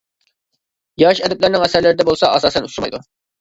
ياش ئەدىبلەرنىڭ ئەسەرلىرىدە بولسا ئاساسەن ئۇچرىمايدۇ.